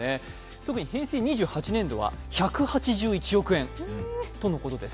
特に平成２８年度は１８１億円とのことです。